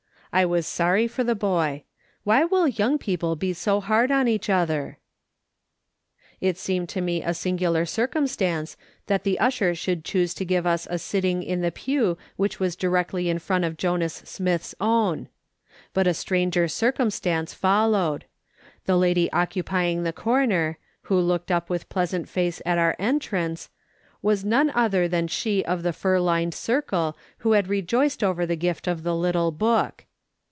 I was sorry for the boy. Wliy will young people be so hard on each other ? It seemed to me a singular circumstance that the usher should choose to give us a sitting in the pew which was directly in front of Jonas Smith's own. But a stranger circumstance followed. The lady occupying the corner, who looked up wdth pleasant face at our entrance, was none other than she of the fur lined circle, who had rejoiced over the gift of the little book.